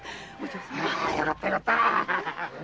よかったよかった。